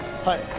はい。